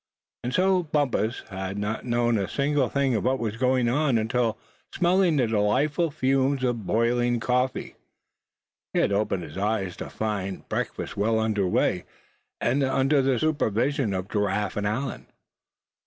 And so Bumpus had not known a single thing of what was going on until, smelling the delightful fumes of boiling coffee, he had opened his eyes to find most of his comrades moving about, and breakfast well on the way, under the supervision of Giraffe and Allan.